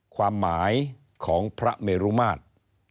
ความหมายของพระเมรุมาตร